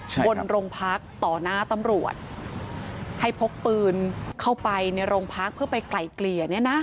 บนโรงพักต่อหน้าตำรวจให้พกปืนเข้าไปในโรงพักเพื่อไปไกลเกลี่ยเนี่ยนะ